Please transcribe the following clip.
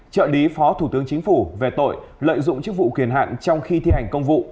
trợ lý phó thủ tướng chính phủ về tội lợi dụng chức vụ quyền hạn trong khi thi hành công vụ